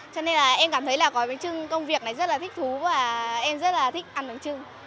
cho nên là em cảm thấy là gói bánh trưng công việc này rất là thích thú và em rất là thích ăn bánh trưng